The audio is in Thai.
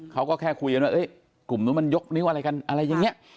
เขาก็แค่คุยกันว่ากลุ่มนู้นมันยกนิ้วอะไรกันอะไรอย่างนี้